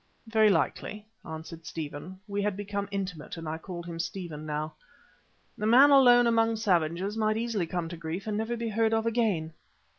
"Very likely," answered Stephen (we had become intimate and I called him Stephen now), "a man alone among savages might easily come to grief and never be heard of again.